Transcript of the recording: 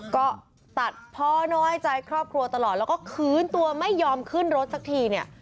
ก็ตัดพ่อน้อยใจครอบครัวตลอดแล้วก็คืนตัวไม่ยอมขึ้นรถสักทีเนี่ย